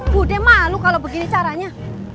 budi malu kalau begini caranya